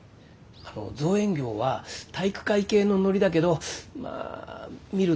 あの造園業は体育会系のノリだけどまあ見るからに。